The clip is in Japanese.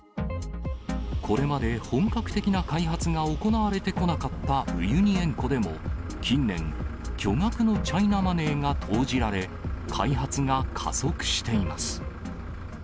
これまで本格的な開発が行われてこなかったウユニ塩湖でも、近年、巨額のチャイナマネーが投じられ、開発が加速しています。